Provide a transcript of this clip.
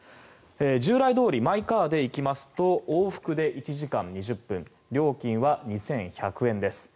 従来どおりマイカーで行きますと往復で１時間２０分料金は２１００円です。